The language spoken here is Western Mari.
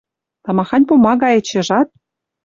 Тамахань пумага эче, жат». —